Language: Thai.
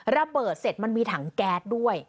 ระเบิดเสร็จมันมีถังแก๊สด้วย